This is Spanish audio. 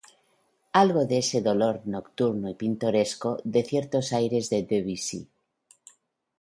Algo de ese dolor nocturno y pintoresco de ciertos aires de Debussy.